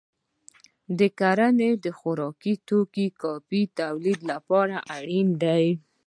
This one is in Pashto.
کرنه د خوراکي توکو د کافی تولید لپاره اړینه ده.